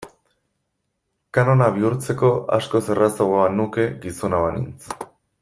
Kanona bihurtzeko askoz errazagoa nuke gizona banintz.